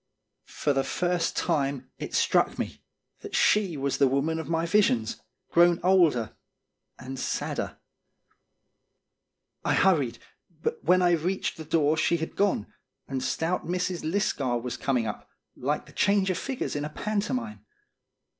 For the first time it struck me that she was the woman of my visions, grown older and sadder. I hurried, but when I reached the door she had gone, and stout Mrs. Lisgar was coming up, like the change of figures in a pantomime.